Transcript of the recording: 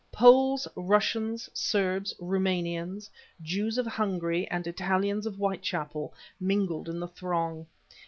Poles, Russians, Serbs, Roumanians, Jews of Hungary, and Italians of Whitechapel mingled in the throng.